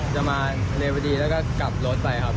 จะมาเนวดีแล้วก็กลับรถไปครับ